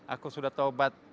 aku sudah taubat